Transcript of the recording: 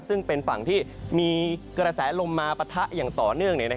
ซึ่งเป็นฝั่งที่มีกระแสลมมาปะทะอย่างต่อเนื่อง